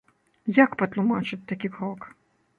Як патлумачыць такі крок?